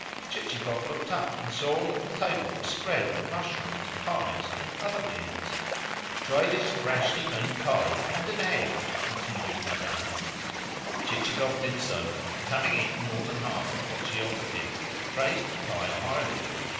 Chichikov looked up, and saw that the table was spread with mushrooms, pies, and other viands. "Try this freshly made pie and an egg," continued Madame. Chichikov did so, and having eaten more than half of what she offered him, praised the pie highly.